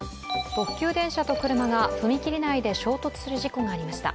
特急電車と車が踏切内で衝突する事故がありました。